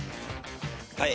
はい。